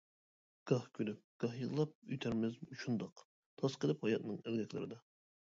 گاھ كۈلۈپ گاھ يىغلاپ ئۆتەرمىز شۇنداق، تاسقىلىپ ھاياتنىڭ ئەلگەكلىرىدە.